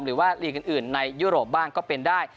หรือว่าลีกอื่นในยุโรปบ้างก็เป็นได้